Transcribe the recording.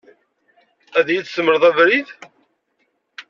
Ad iyi-d-temleḍ abrid?